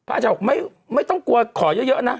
อาจารย์ก็คย่าห์ไม่ต้องกลัวขอเยอะนะ